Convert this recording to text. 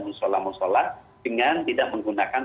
musola musola dengan tidak menggunakan